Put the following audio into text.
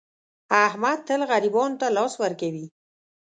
احمد تل غریبانو ته لاس ور کوي.